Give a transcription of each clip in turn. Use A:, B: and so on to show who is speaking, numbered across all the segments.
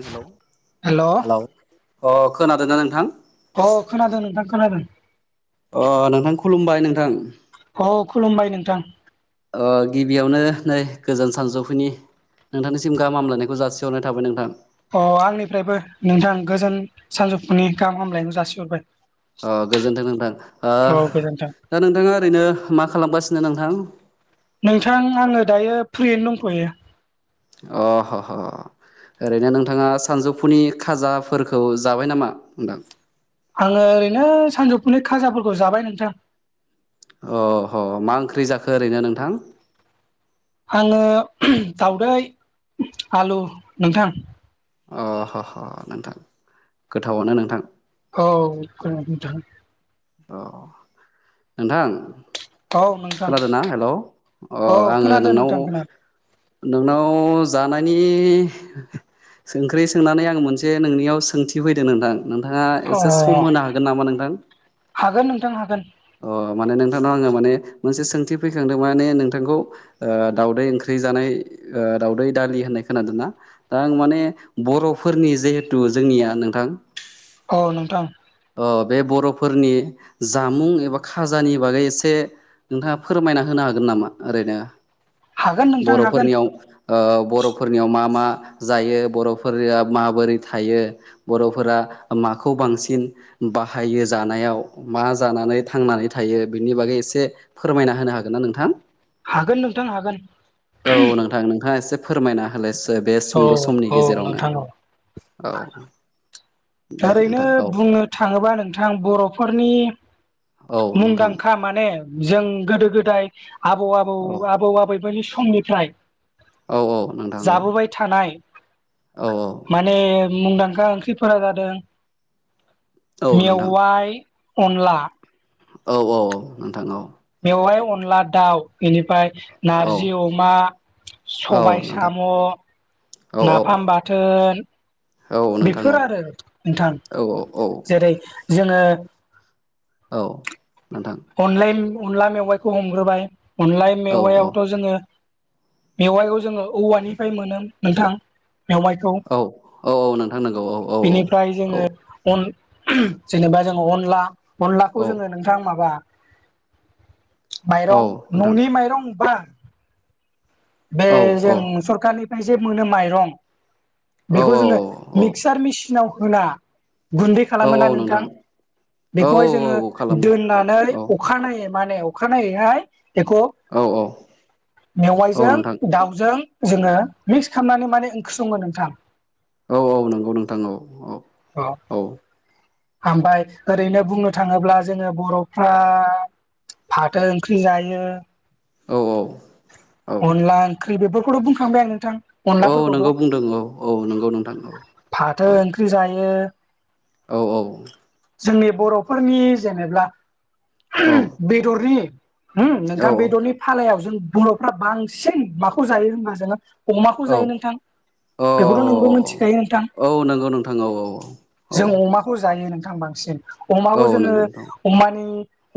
A: Hello
B: hello
A: hello
B: अ
A: अ खोनादोंना नोंथां?
B: अ खोनादों नोंथां खोनादों
A: अ नोंथां खुलुमबाय नोंथां
B: औ खुलुमबाय नोंथां
A: ओ गिबियावनो नै गोजोन सानजौफुनि नोंथांनिसिम गाहामलायनायखौ जासिहरनाय थाबाय नोंथां
B: अ आंनिफ्रायबो नोंथां गोजोन सानजौफुनि गाहाम हामलायखौ जासिहरबाय
A: अ गोजोनथों नोंथां ओ
B: औ गोजोन्थों
A: दा नोंथांङा ओरैनो मा खालामगासिनो? सिनो नांथां?
B: नोंथां आंङो दायो फ्रियैनो दंथ'यो
A: अ ह ह ओरैनो नोंथांङा सानजौफुनि खाजाफोरखौ जाबाय नामा नोंथां?
B: आंङो ओरैनो सानजौफुनि खाजाफोरखौ जाबाय नोंथां
A: अ ह मा ओंख्रि जाखो ओरैनो नोंथां?
B: आंङो उमह दावदै आलु नोंथां
A: अ ह ह नोंथां गोथावानो नोंथां
B: औथ [unintelligible]
A: अ नोंथां
B: औ नोंथां
A: खोनादो ना हेलौ
B: औ
A: अ आंङो
B: खोनादों
A: नोंनाव
B: नोंथां खोनादों
A: नोंनाव जानायनि सोंख्रि सोंनानै आं मोनसे नोंनियाव सोंथि फैदों नोंथां नोंथांङा
B: अ
A: एसे सम होनो हागोन नामा नोंथां?
B: हागोन नोंथां हागोन
A: अ माने नोंथांनाव आंङो माने मोनसे सोंथि फैखांदों माने नोंथांखौ दवदै ओंख्रि जानाय ओ दावदै दालि होननाय खोनादोंना दा माने बर'फोरनि जेहुथु जोंनिया नोंथां
B: औ नोंथां
A: अ बे बर'फोरनि जामुं एबा खाजानि बागै एसे नोंथांङा फोरमायना हो नो हागोन नामा ओरैनो
B: हागोन नोंथां हागोन
A: बर'फोरनियाव ओ बर'फोरनियाव मा मा जायो बर'फोरा माबोरै थायो बर'फोरा माखौ बांसिन बाहायो जानायाव मा जानानै थांनानै थायो बिनि बागै एसे फोरमायना होनो हा हागोन ना नोंथां?
B: हागोन नोंथां हागोन।
A: औ नोंथां नोंथांङा एसे फोरमायना होलाय बे
B: औ
A: सुंद' समनि
B: औ
A: गेजेरावनो
B: नोंथां औ
A: औ दे
B: ओरैनो
A: नोंथां औ
B: बुंनो थांङोबा नोंथां बर'फोरनि
A: औ नोंथां
B: मुंदांखा माने जों गोदो गोदाय आबौ आबौ
A: औ
B: आबौ-आबै फोरनि समनिफ्राय
A: औ औ नोंथां
B: जाबोबाय थानाय
A: औ औ।
B: माने मुंदांखा ओंख्रिफोरा जादों
A: औ नोंथां
B: मेवाइ, अनला
A: औ औ नोंथां औ
B: बेवहाय अनला दाउ बेनिफ्राय
A: औ
B: 'नारजि अमा
A: औ
B: सबाय
A: नोंथां
B: साम'
A: औ
B: नाफाम बाथोन
A: औ नोंथां औ
B: बेफोर आरो नोंथां।
A: औ औ औ
B: जेरै जोङो
A: औ नोंथां
B: अलाय अनला मेवाइखौ हमग्रोबाय अनला
A: औ
B: मेवायावथ' जोङो मेवाइखौ जोङो औवानिफ्राय मोनो नोंथां मेवाइखौ
A: औ औ नोंथां नंगौ औ औ
B: बेनिफ्राय
A: औ
B: जोङो अन जेनबा जोङो अनला
A: औ
B: अनलाखौ जोङो नोंथां माबा
A: औ औ
B: माइरं
A: नोंथां
B: न'नि माइरं बा बे
A: औ औ
B: जों सरखारनिफ्राय जे मोनो माइरं
A: औ
B: बेखौ जोङो
A: औ
B: मिक्सार मेचिनाव होना गुन्दै
A: औ
B: खालामो ना
A: औ
B: नोंथां
A: औ
B: बेखौहाय
A: औ
B: जोङो
A: औ खालामो
B: दोननानै
A: औ
B: अखा नायै माने अखानायैहाय बेखौ
A: औ औ औ
B: मेवाइजों
A: नोंथां
B: दाउजों जोङो मिक्स खालामनानै माने ओंख्रि सङो नोंथां
A: औ औ नंगौ नोंथां औ औ
B: अ
A: औ
B: ओमफ्राय ओरैनो बुंनो थाङोब्ला जोङो बर'फ्रा फाथो ओंख्रि जायो।
A: औ औ
B: अनला ओंख्रि बेफोरखौथ' बुंखांबाय आं नोंथां
A: औ
B: अनलाफोरखौथ'
A: नोंगौ बुंदों औ औ नंगौ नोंथां औ औ।
B: ओमफ्रायो
A: औ औ
B: जोंनि बर'फोरनि जेनब्ला
A: औ
B: बेदरनि हो
A: औ
B: नोंथां बेदरनि फालायाव जों बर'फ्रा बांसिन माखौ जायो होनबा जोङो अमाखौ जायो नोंथां,
A: औ
B: बेखौथ' नोंबो मिथिखायो नोंथां?
A: औ नंगौ नोंथां औ औ
B: जों अमाखौ जायो नोंथां बांसिन
A: औ
B: अमाखौ जोङो
A: नंगौ नोंथां
B: अमानि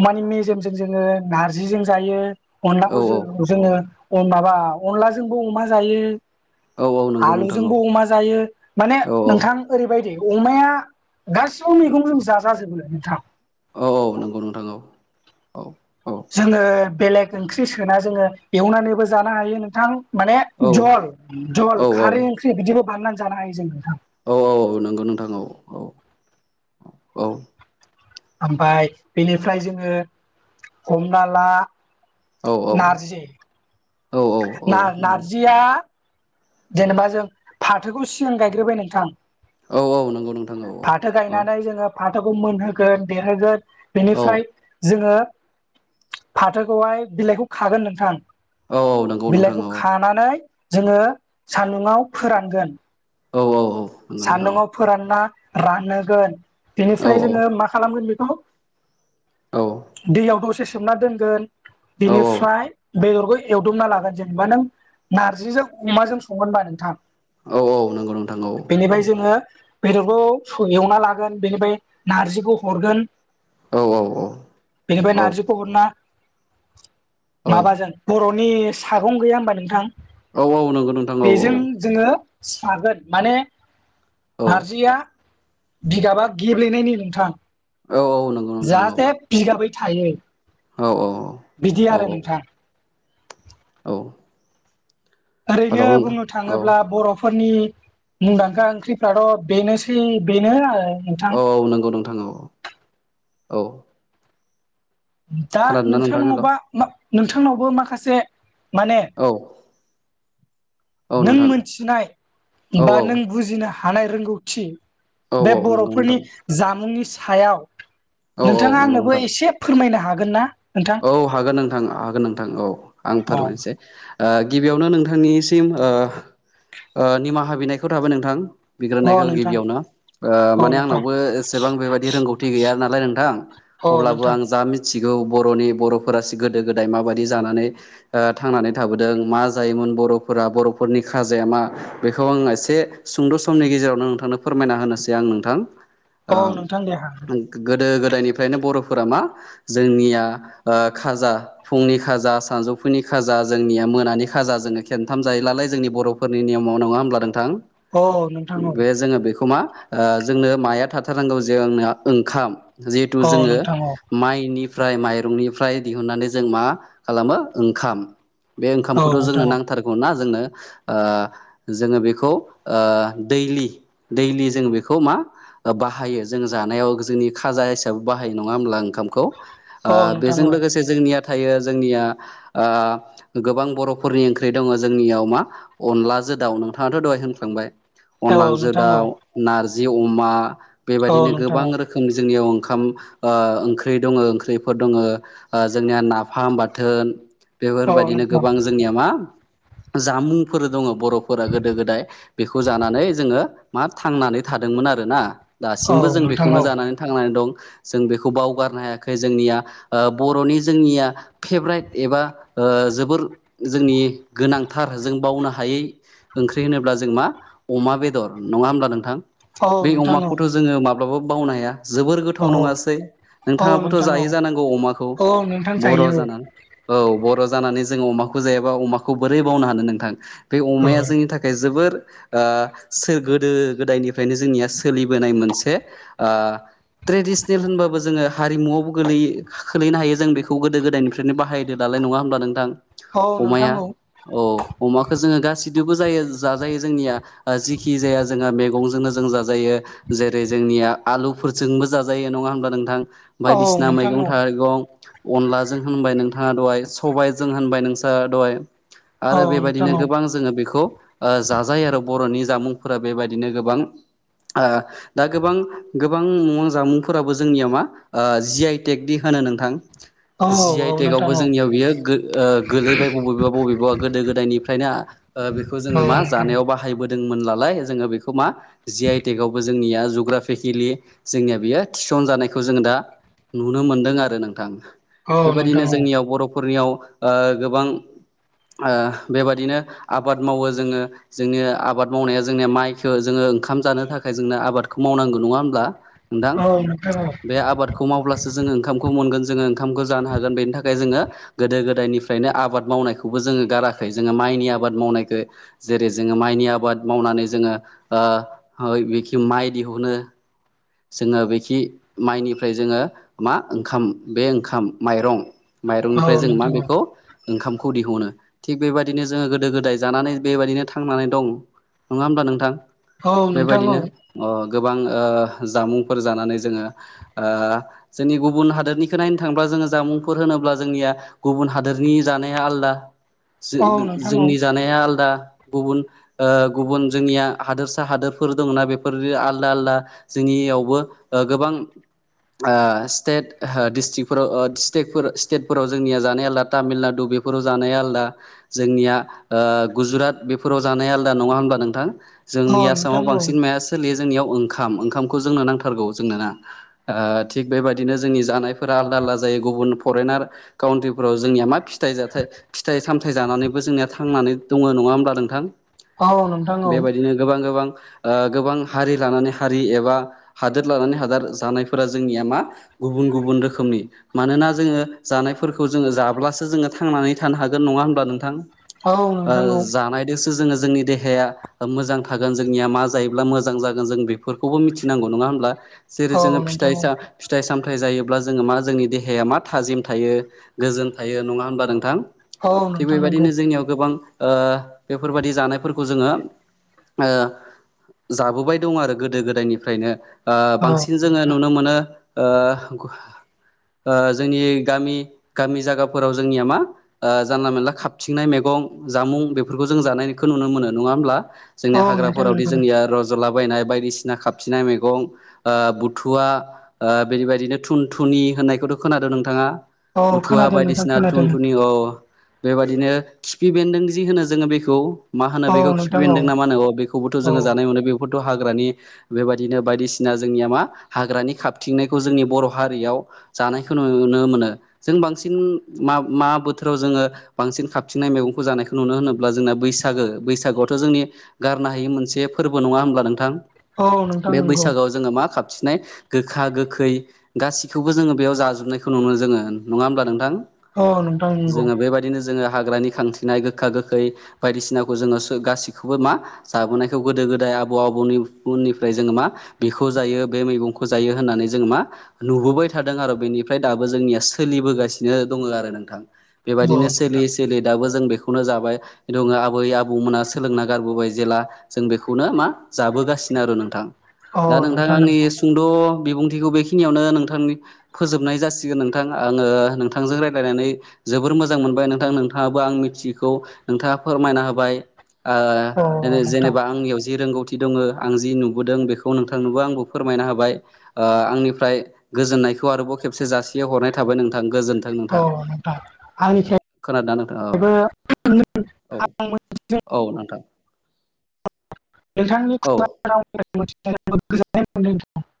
B: अमानि मेजेमजों जोङो नारजिजों जायो
A: औ
B: अनलाखौ जो
A: औ
B: जोङो माबा अनलाजोंबो अमा जायो
A: औ औ नंगौ नोंथां औ
B: आलुजोंबो अमा जायो, माने
A: औ
B: नोंथां ओरैबायदि अमाया गासिबो मैगंजों जाजाजोबोलाय नोंथां
A: औ औ नंगौ नोंथां औ औ
B: जोङो बेलेग ओंख्रि सोना जोङो एवनानैबो जानो हायो नोंथां माने
A: औ
B: ज'ल जल'ल
A: औ
B: खारै ओंख्रि बिदिबो बाननानै जानो हायो जों नोंथां।
A: औ औ औ नंगौ नोंथां औ औ औ।
B: ओमफ्राय बेनिफ्राय जोङो हमना ला
A: औ
B: नारजि
A: औ औ औ
B: ना
A: नोंथां
B: नारजिया जेनेबा जों फाथोखौ सिगां गायग्रोबाय नोंथां।
A: औ औ नंगौ नोंथां औ
B: फाथो
A: औ
B: गायनानै जोङो फाथोखौ मोनहोगोन देरहोगोन
A: औ
B: बेनिफ्राय जोङो फाथोखौहाय बिलाइखौ खागोन नोंथां।
A: औ औ नंगौ नोंथां
B: बिलाइखौ
A: औ
B: खानानै जोङो सान्दुङाव फोरानगोन।
A: औ औ औ। नंगौ
B: सान्दुआव
A: नोंथां
B: फोरानना रानोगोन
A: औ
B: बेनिफ्राय जोङो मा खालामगोन दैयाव दसे सोमना दोनगोन। बिनिफ्राय बेदरखौ एवदबना लागोन जेनेबा नों नार्जिजों अमाजों संगोनबा नोंथां।
A: औ औ नंगौ नं
B: बेनिफ्राय जोङो बेदरखौ एवना लागोन बेनिफ्राय नारजिखौ हरगोन।
A: औ
B: बेनिफ्राय
A: औ
B: नारजिखौ हरना
A: औ
B: माबाजों बर'नि सागं गैया होनबा नोंथां?
A: औ नंगौ नोंथां
B: बेजों
A: औ
B: जोङो सागोन माने
A: औ
B: नारजिया बिगाबा गेब्लेनायनि नोंथां।
A: औ औ नंगौ नोंथां औ
B: जाहाथे बिगाबै थायो
A: औ
B: बिदि आरो नोंथां।
A: औ।
B: ओरैनो
A: हेल'
B: बुंनो
A: नोंथां औ
B: थाङोब्ला बर' फोरनि मुंदांखा ओंख्रिफ्राथ' बेनोसै बेनो ओ
A: औ नंगौ नोंथां औ औ।
B: दा
A: खोनादोंना नोंथां हेल'
B: नोंथांनावबा मा नोंथांनावबो माखासे माने
A: औ औ
B: नों
A: नोंथां
B: मोनथिनाय
A: औ
B: बा
A: औ
B: नों बुजिनो हानाय रोंगौथि
A: औ
B: बे
A: औ नंगौ
B: बर'फोरनि
A: नोंथां
B: जामुंनि सायाव
A: औ औ
B: नोंथाङा
A: नंगौ
B: आंनोबो
A: नोंथां
B: एसे फोरमायनो हागोन ना? नोंथां
A: औ हागोन नोंथां हागोन नोंथां औ आं
B: अ
A: फोरमायनोसै ओ गिबियावनो नोंथांनिसिम ओ निमाहा बिनायखौ थाबाय नोंथां
B: अ
A: बिग्रोनायखौ
B: नोंथां
A: गिबियावनो ओ
B: औ
A: माने
B: नोंथां
A: आंनावबो एसेबां बेबायदि रोंगौथि गैया नालाय नोंथां।
B: औ
A: अब्लाबो
B: नोंथां
A: आं जा मिन बर'नि बर'फोरा गोदो गोदाय माबायदि जानानै थांनानै थाबोदों मा जायोमोन बर'फोर फ्रार बर'फोरनि खाजाया मा बेखौ आं एसे सुंद' समनि गेजेरावनो नोंथांनो फोरमायना होनोसै आं। नोंथां
B: औ नोंथां दे हागोन
A: गोदो गोदायनिफ्रायनो बर'फोरा मा जोंनिया ओ खाजा फुंनि खाजा, सानजौफुनि खाजा, जोंनिया मोनानि खाजा जोङो खेमथाम जायो लालाय जोंनि बर'फोरनि नियमाव नङा होमब्ला नोंथां
B: औ नोंथां औ
A: बे जोङो बेखौ मा ओ जोंनो माया थाथारनांगौ जोंना ओंखाम जिहेथु
B: औ
A: जोङो
B: नोंथां औ
A: माइनि निफ्राय माइरंनिफ्राय दिहुननानै जों मा खालामो ओंखाम बे
B: औ
A: ओंखामखौथ' जोंनो
B: नोंथां औ
A: नांथारगौ ना। जोनो ओ जोङो बेखौ ओ दैलि दैलि जों बेखौ मा बाहायो जों जानायाव जोंनि खाजा हिसाबै बाहायो नङा होमब्ला ओंखामखौ। ओ
B: औ नोंथां औ
A: बेजों लोगोसे जोंनिया थायो जोंनि ओ गोबां बर'फोरनि ओंख्रि दङ जोंनियाव मा अनला जो दाव नोंथाङाथ' दहाय होनखांबाय
B: औ
A: अनलाजों
B: नोंथां औ
A: दाउ, नारजि अमा
B: औ
A: बेबायदिनो
B: नोंथां
A: गोबां
B: औ
A: रोखोमनि जोंनियाव ओं ओंखाम ओंख्रि दङ ओंख्रिफोर दङो जोंनिया नाफाम बाथोन
B: औ नोंथां औ
A: बेफोरबायदिनो
B: नोंथां
A: गोबां जोंनिया मा जामुंफोर दंङो बर'फोरा गोदो गोदाय बेखौ जानानै जोंङो मा थांनानै थादोंमोन आरोना। दासिमबो जों
B: औ
A: बेखौनो जानानै थांनानै दं जों बेखौ बावगारनो हायाखै जोंनिया बर'नि जोंनिया फेभ्रेट एबा जोबोर जोंनि गोनांथार जों बावनो हा हायि ओंख्रि होनोब्ला जों मा अमा बेदर नङा होमब्ला नोंथां।
B: औ
A: बे
B: नोंथां औ
A: अमाखौथ' जोंङो माब्लाबाबो बावनो हाया। जोबोर गोथाव
B: औ
A: नंङासै
B: औ
A: नोंथांङाबोथ
B: नोंथां
A: जायो। औ अमाखौ
B: औ नोंथां
A: बर'
B: जायो
A: जाना औ बर' जानानै नै जोंङो अमाखौ जायाबा अमाखौ बोरै बावनो हानो नोंथां बे
B: औ
A: अमाया जोंनि थाखाय जोबोर सोर गोदो गोदायनिफ्रायनो जोंनिया सोलिबोनाय मोनसे ट्रेडिसनेल होनबाबो जोंङो हारिमुआवबो गोलै खोलैनो हायो जों बेखौ गोदो गोदायनिफ्रायनो बाहायदो दालाय नंङा होमब्ला नोंथां।
B: औ नोंथां
A: अमाया
B: औ
A: औ अमाखौ जोङो गा थिदोबो जायो जाजायो जोंनिया जिखि जाया जोंहा मैगंजोंनो जों जाजायो जेरै ज जोंनिया आलुफोरजोंबो जाजायो नंङा होमब्ला नोंथां
B: औ
A: बायदिसिना
B: नों
A: मैगं थाइगं अनलाजों होनबाय नोंथाङा दहाय सबायजों होनबाय नोंस्रा दहाय
B: औ
A: आरो
B: नोंथां
A: बेबायदिनो
B: औ
A: गोबां जोंङो बेखौ ओ जाजायो आरो बर'नि जामुंफोरा बेबायदिनो गोबां आ दा गोबां गोबां म जामुंफोराबो जोंनिया मा ओ जि आइ टेकदि होनो नोंथां
B: औ
A: जि
B: औ
A: आइ
B: नोंथां
A: टेकावबो
B: औ
A: जोंनियाव बियो गोलैबाय बबेबा बबेबा गोदो गोदायनिफ्रायना ओ बेखौ
B: औ
A: जोंङो मा
B: नोंथां
A: जानायाव बाहायबोदोंमोन नालाय जोंङो बेखौ मा जि आइ टेक आवबो जों जोंनिया जुग्राफिकेलि जोंनिया बियो थिसन जानायखौ जोङो दा नुनो मोनदों आरो नोंथां
B: औ नोंथां
A: बेबायदिनो
B: औ
A: जोंनियाव बर'फोरनियाव ओ गोबां ओ बेबादिनो आबाद मावो जोंङो जोंनि आबाद मावनाया जोंनिया माइखौ जोंङो ओखाम जानो थाखाय जोंनो आबादखौ मावनांगौ नंङा होनब्ला नोंथां
B: औ नोंथां औ
A: बे आबादखौ माव ओंखामखौ मोनगोन जोंङो ओंखामखौ जानो हागोन बेनि थाखाय जोंङो गोदो गोदायनिफ्रायनो आबाद मावनायखौबो जोङो गाराखै जोंङो माइनि आबाद मावनायखौ जेरै जोंङो माइनि आबाद मावनानै जोङो ओ ओ बेखि माइ दिहुनो जोङो बेखि माइनिफ्राय जोङो मा ओंखाम बे ओंखाम माइरं
B: औ
A: माइरंनिफ्राय जों मा
B: नोंथां औ
A: बेखौ ओंखामखौ दिहुनो थिग बेबायदिनो जोंङो गोदो गोदाय जानानै बेबायदिनो थांनानै दं नंङा होमब्ला नोंथां
B: औ नोंथां औ
A: बेबायदिनो गोबां ओ जामुंफोर जानानै जोङो ओ जोंनि गुबुन हादोरनिखौ नायनो थांयोब्ला जोङो जामुंफोर होनोब्ला अब्ला जोंनिया गुबुन हादोरनि जानाया आलदा
B: औ नोंथां औ
A: जोंनि जानाया आलदा गुबुन ओ गुबुन जोंनिया हादोर सा हादोरफोर दोङोना बेफोर आलदा आलदा जोंनियावबो ओ गोबां ओ स्टेट दिस्थ्रिकफोराव स्टेट स्टेटफोराव जोंनिया जानाय आलदा तामिलनाडु बेफोराव जानाय आलादा जोंनिया ओ गुजरात बेफोराव जानाया आलादा नंङा होमब्ला नोंथां
B: औ
A: जोंनि
B: नोंथां
A: आसामाव
B: औ
A: बांसिन माया सोलियो जोंनियाव ओंखाम ओंखाम ओंखामखौ जोंनो नांथारगौ जोंनोना ओ थिग बेबायदिनो जोंनि जानायफोरा आलदा आलदा जायो गुबुन नार काउन्ट्रिफोराव जोंनिया मा फिथाइ जाथाय फिथाइ सामथाय जानानैबो जोंनिया थांनानै दंङो नङा होमब्लख नोंथां
B: औ नोंथां औ नोंथां औ
A: बेबायदिनो गोबां गोबां ओ गोबां हारि लानानै हारि एबा बा हादोर लानानै हादोर जानायफोरा जोंनिया मा गुबुन गुबुन रोखोमनि मानोना जोंङो जानायफोरखौ जोंङो जाब्लासो जोंङो थांनानै थानो हागोन नंङा होमबा नोंथां
B: औ
A: ओ जानायजोंसो जोंङो जोंनि देहाया मोजां थागोन जोंनिया मा जायोब्ला मोजां जागोन जों बेफोरखौ बेखौबो मिथि नांगौ नंङा होनबा जेरै जोंङो
B: नोंथां
A: फिथाय
B: औ
A: फिथाय सामथाय जायोब्ला जोङो मा जोंनि देहाया मा थाजिम थायो गोजोन थायो नङा होनबा नोंथां
B: औ
A: थिग
B: नोंथां
A: बेबायदिनो
B: नंगौ
A: जोंनियाव गोबां ओ बेफोरबायदि जानायफोरखौ जोङो ओ जाबोबाय दं आरो गोदो गोदायनिफ्रायनो ओ
B: औ
A: बांसिन जोङो
B: नोंथां
A: नुनो मोनो ओ ओ जोंनि गामि गामि जागाफोराव जोंनिया मा जानला मेनला खाबथिंनाय मैगं गं जामुं बेफोरखौ जों जानायखौ नुनो मोनो नङा होमब्ला जोंनि
B: औ नोंथां
A: हाग्राफोरावदि
B: नंगौ
A: जोंनिया रज'लाबायनाय बायदि बायदिसिना खाबथिंनाय मैग ओ बुथुवा ओ बेनिबायदिनो थुन थुनि होननाय खोनादों नोंथाङा
B: औ
A: बुथुवा
B: खोनादों नोंथां
A: बायदिसिना
B: खोनादों
A: थुन थुनि औ बेबायदिनो खि खिफि बेन्दों जि होनो जोङो बेखौ मा होनो
B: औ
A: बेखौ खिफि
B: नोंथां औ
A: बेन्दों ना मा होनो अ बेखौबोथ'
B: औ
A: जोङो जानाय मोनो बेखौथ' थ' हाग्रानि बेबायदिनो बायदिसिना जोंनिया मा हाग्रानि खाबथिंनायखौ जोंनि बर' हारियाव जानायखौ नुनो मोनो जों बांसिन मा मा बोथोराव जोङो बांसिन खाबथिंनाय मैगंखौ जानायखौ नुनो होनोब्ला जोंना बैसागो बैसागोआवथ' जोंनि गारनो हायि मोनसे फोरबो नङा होनोमब्ला नोंथां।
B: औ नोंथां
A: बे
B: नंगौ
A: बैसागोआव जोङो मा खाब - थिंनाय गोखा गोखै गासिखौबो जोङो बेयाव जाजोबनायखौ नुनो मोनो जोङो नङा होमब्ला नोंथां।
B: औ नोंथां नंगौ
A: जोङो बेबायदिनो जोङो हाग्रानि खांथिनाय गोखा गोखै बायदिसिनाखौ जोङो गाससिखौबो मा जाबोनायखौ गोदो गोदाय आबौ आबैनि उननिफ्राय जोङो मा बेखौ जायो बे मैगंखौ जायो होननानै जोङो मा नुबोबाय थादों आरो बेनि फ्राय दाबो जोंनिया सोलिबोगासिनो दङ आरो नोंथां
B: औ
A: बेबायदिनो
B: नोंथां
A: सोलिै सोलियै दाबो जों बे खौनो जाबाय दङो आबै आबौमोना सोलोंना गारबोबाय जेला जों बेखौनो मा जाबोगासिनो नो आरो नोंथां
B: औ
A: दा नोंथाङा
B: नोंथां
A: आंनि
B: नंगौ
A: सुंद' बिबुंथिखौ बेखिनियावनो नोंथांनि फोजोबनाय जासिगोन नोंथां आङो नोंथांजों रायलायनानै जोबोर मोजां मोनबाय नोंथां नोंथाङाबो आं मिथियैखौ नोंथाङा फोरमायना होबाय।
B: औ नोंथां
A: जेनेबा आंनियाव जि रोंगौथि दङ। आं जि नुबोदों बेखौ नोंथांनोबो आंबो फोरमायनो हाबाय आंनिफ्राय गोजोननायखौ आरोबाव खेबसे जासियाव हरनाय थाबाय नोंथां। गोजोन्थों
B: औ
A: नोंथां
B: नोंथां आंनिफ्रायबो
A: खोनादों ना नोंथां औ। औ औ नोंथां। औ
B: [unintelligible]